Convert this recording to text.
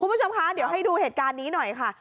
คุณผู้ชมคะเดี๋ยวให้ดูเหตุการณ์นี้หน่อยค่ะ